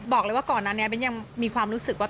บอกเลยว่าก่อนนั้นเนี่ยเบ้นยังมีความรู้สึกว่า